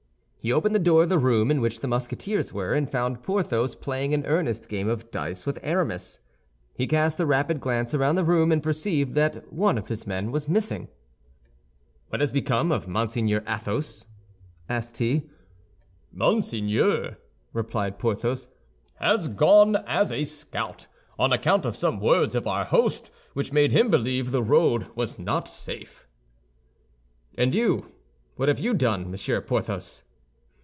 He opened the door of the room in which the Musketeers were, and found Porthos playing an earnest game of dice with Aramis. He cast a rapid glance around the room, and perceived that one of his men was missing. "What has become of Monseigneur Athos?" asked he. "Monseigneur," replied Porthos, "he has gone as a scout, on account of some words of our host, which made him believe the road was not safe." "And you, what have you done, Monsieur Porthos?"